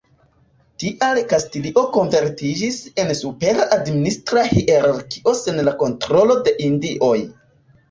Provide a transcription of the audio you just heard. Tial Kastilio konvertiĝis en supera administra hierarkio sen la kontrolo de Indioj.